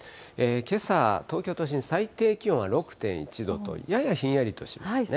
けさ、東京都心、最低気温は６．１度と、ややひんやりとしましたね。